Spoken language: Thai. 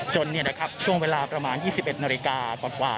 จนนี่นะครับช่วงเวลากระมาณยี่สิบเอ็ดหน้าริกากว่า